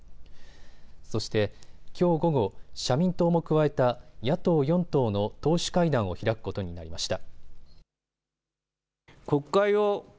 そしてきょう午後、社民党も加えた野党４党の党首会談を開くことになりました。